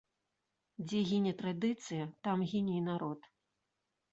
Дзе гіне традыцыя, там гіне і народ.